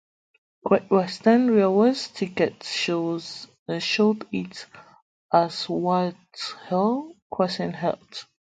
Great Western Railway tickets showed it as Whitehall Crossing Halt.